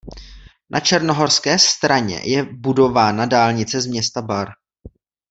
Na černohorské straně je budována dálnice z města Bar.